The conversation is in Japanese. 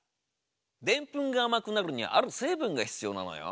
デンプンが甘くなるにはある成分が必要なのよ。